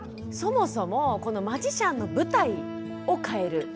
そもそもこのマジシャンの舞台を変える。